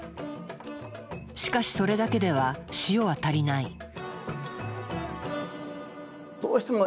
しかしそれだけでは塩は足りない。